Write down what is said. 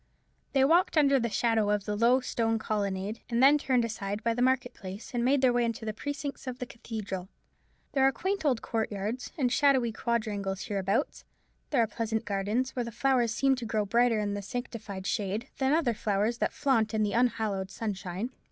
They walked under the shadow of a low stone colonnade, and then turned aside by the market place, and made their way into the precincts of the cathedral. There are quaint old courtyards, and shadowy quadrangles hereabouts; there are pleasant gardens, where the flowers seem to grow brighter in the sanctified shade than other flowers that flaunt in the unhallowed sunshine.